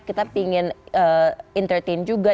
kita pingin entertain juga